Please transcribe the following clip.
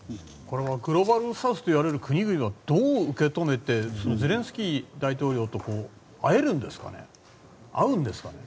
グローバルサウスといわれる国々をどう受け止めてゼレンスキー大統領と会えるんですかね。